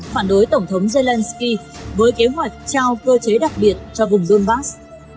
phản đối tổng thống zelensky với kế hoạch trao cơ chế đặc biệt cho vùng donbass